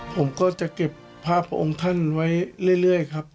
ผมก็จะเก็บภาพพระองค์ท่านไว้เรื่อยครับ